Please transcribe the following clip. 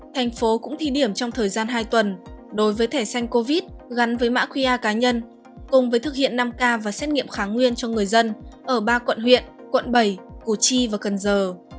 thành phố cũng thi điểm trong thời gian hai tuần đối với thẻ xanh covid gắn với mã qa cá nhân cùng với thực hiện năm k và xét nghiệm kháng nguyên cho người dân ở ba quận huyện quận bảy củ chi và cần giờ